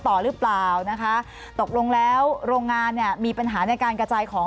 ต่อหรือเปล่านะคะตกลงแล้วโรงงานเนี่ยมีปัญหาในการกระจายของ